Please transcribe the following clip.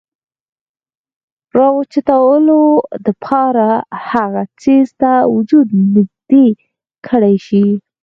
راوچتولو د پاره هغه څيز ته وجود نزدې کړے شي ،